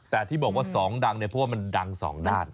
แต่ที่บอกว่า๒ดังเนี่ยเพราะว่ามันดังสองด้าน